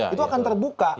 itu akan terbuka